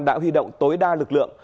đã huy động tối đa lực lượng